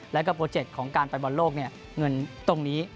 และก็โปรเจ็ตของการปรรบันโลกเนี่ยเงินตรงนี้